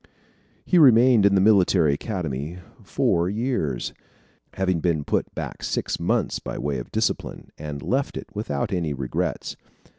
He remained in the Military Academy four years, having been put back six months by way of discipline, and left it without any regrets.